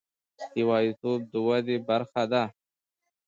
یوازیتوب د ودې برخه ده.